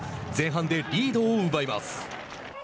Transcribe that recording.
前半でリードを奪います。